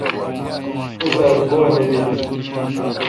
اِس آج گوا لدیل۔